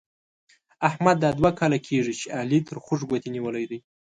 احمد دا دوه کاله کېږي چې علي تر خوږ ګوتې نيولې دی.